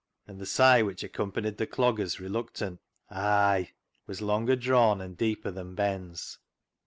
And the sigh which accompanied the dog ger's reluctant " Ay " was longer drawn and deeper than Ben's.